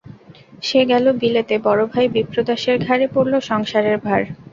সে গেল বিলেতে, বড়ো ভাই বিপ্রদাসের ঘাড়ে পড়ল সংসারের ভার।